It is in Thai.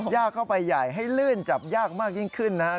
ยากเข้าไปใหญ่ให้ลื่นจับยากมากยิ่งขึ้นนะครับ